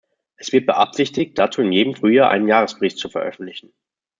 Es wird beabsichtigt, dazu in jedem Frühjahr einen Jahresbericht zu veröffentlichen.